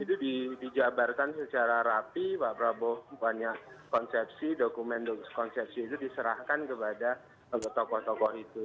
itu dijabarkan secara rapi pak prabowo banyak konsepsi dokumen konsepsi itu diserahkan kepada tokoh tokoh itu